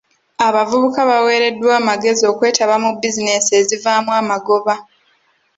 Abavubuka baweereddwa amagezi okwetaba mu bizinensi ezivaamu amagoba.